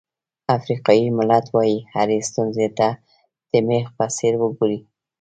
افریقایي متل وایي هرې ستونزې ته د مېخ په څېر وګورئ.